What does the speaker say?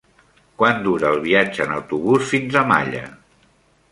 Quant dura el viatge en autobús fins a Malla?